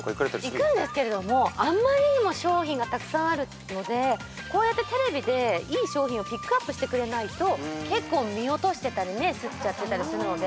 行くんですけどあまりにも商品がたくさんあるのでこうやってテレビでいい商品をピックアップしてくれないと結構見落としてたりするので。